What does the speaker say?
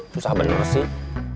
susah banget sih